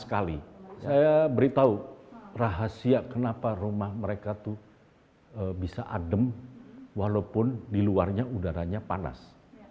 di luar hutan di luar udara panas